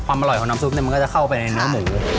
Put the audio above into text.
อร่อยของน้ำซุปมันก็จะเข้าไปในเนื้อหมู